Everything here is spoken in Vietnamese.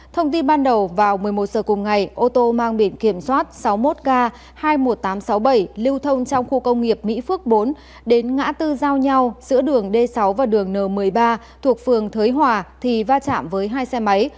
thông tin ban đầu vào một mươi một giờ cùng ngày ô tô mang biển kiểm soát sáu mươi một k hai mươi một nghìn tám trăm sáu mươi bảy lưu thông trong khu công nghiệp mỹ phước bốn đến ngã tư giao nhau giữa đường d sáu và đường n một mươi ba thuộc phường thới hòa thì va chạm với hai xe máy